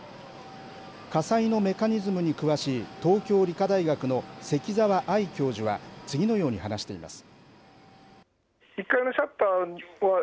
火災のメカニズムに詳しい東京理科大学の関澤愛教授は、次のように話しています。